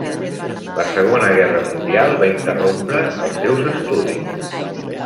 La Segona Guerra Mundial va interrompre els seus estudis.